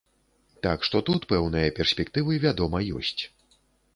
Так што тут пэўныя перспектывы, вядома, ёсць.